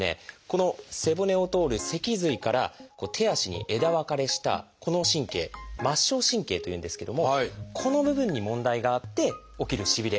この背骨を通る脊髄から手足に枝分かれしたこの神経「末梢神経」というんですけどもこの部分に問題があって起きるしびれ。